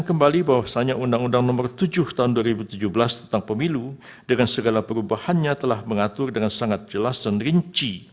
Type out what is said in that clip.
dan kembali bahwasannya undang undang no tujuh tahun dua ribu tujuh belas tentang pemilu dengan segala perubahannya telah mengatur dengan sangat jelas dan rinci